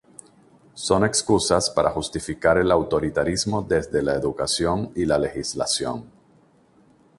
Son excusas para justificar el autoritarismo desde la educación y la legislación.